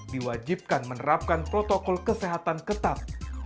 diwajibkan menerapkan protokol kesehatan ketat